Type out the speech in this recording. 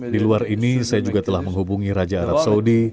di luar ini saya juga telah menghubungi raja arab saudi